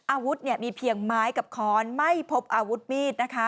อาวุธมีเพียงไม้กับค้อนไม่พบอาวุธมีดนะคะ